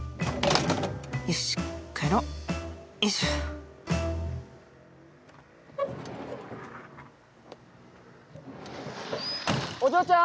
よし帰ろうよいしょお嬢ちゃん！